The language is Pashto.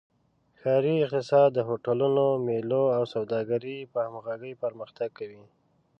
ښاري اقتصاد د هوټلونو، میلو او سوداګرۍ په همغږۍ پرمختګ کوي.